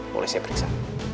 boleh saya periksa